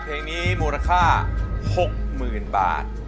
เทคที่๔มูลค่าผมขอ๑ขนาด๖๐๐๐๐